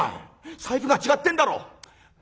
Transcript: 財布が違ってんだろ。